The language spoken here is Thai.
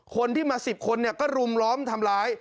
คนที่มา๑๐คนก็รุมล้อมทำร้าย